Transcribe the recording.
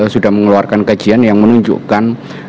sudah mengeluarkan kajian yang menunjukkan